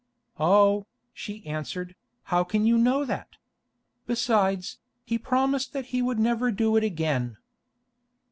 "Oh," she answered, "how can you know that? Besides, he promised that he would never do it again."